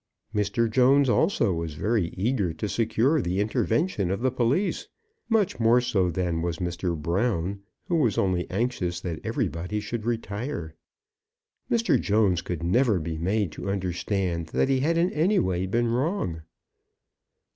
Mr. Jones, also, was very eager to secure the intervention of the police, much more so than was Mr. Brown, who was only anxious that everybody should retire. Mr. Jones could never be made to understand that he had in any way been wrong.